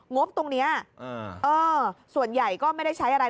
งบตรงนี้ส่วนใหญ่ก็ไม่ได้ใช้อะไร